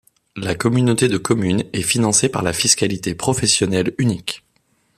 La communauté de communes est financée par la fiscalité professionnelle unique.